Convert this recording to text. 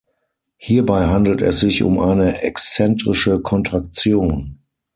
Hierbei handelt es sich um eine exzentrische Kontraktion.